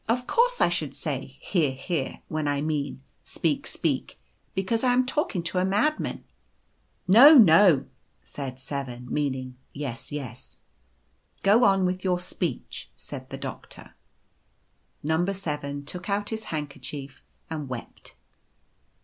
course, I should say " hear, hear," when I mean " speak, speak," because I am talking to a madman/ "' No, no/ said 7 — meaning, ' yes, yes/ " c Go on with your speech/ said the Doctor. " No 7 took out his handkerchief and wept.